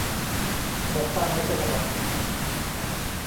ขนมปังไม่ใช่ขนม